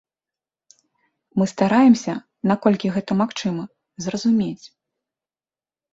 Мы стараемся, наколькі гэта магчыма, зразумець.